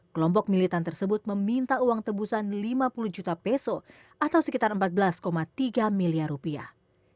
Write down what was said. kelompok militan tersebut meminta uang tebusan lima puluh juta peso atau sekitar empat belas tiga miliar rupiah